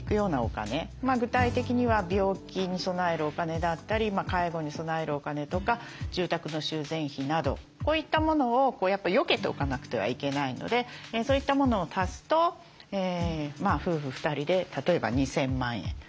具体的には病気に備えるお金だったり介護に備えるお金とか住宅の修繕費などこういったものをよけておかなくてはいけないのでそういったものを足すと夫婦２人で例えば２，０００万円。